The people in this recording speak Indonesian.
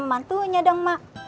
sama mantunya dong mak